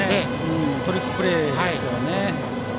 トリックプレーでしたね。